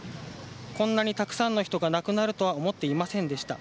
こんなにたくさんの人が亡くなるとは思っていませんでした。